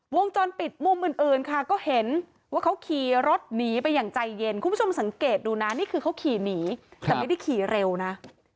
วงจรปิดมุมอื่นค่ะก็เห็นว่าเขาขี่รถหนีไปอย่างใจเย็นคุณผู้ชมสังเกตดูนะนี่คือเขาขี่หนีแต่ไม่ได้ขี่เร็วนะ